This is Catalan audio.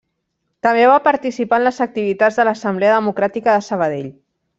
També va participar en les activitats de l'Assemblea Democràtica de Sabadell.